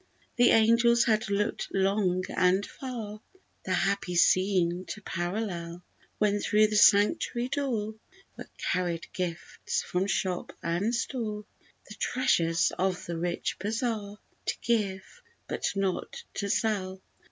The angels had looked long and far The happy scene to parallel, When through the sanctuary door Were carried gifts from shop and store, The treasures of the rich bazaar, To give but not to sell.